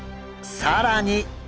更に！